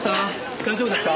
大丈夫ですか？